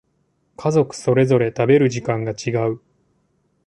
家族それぞれ食べる時間が違う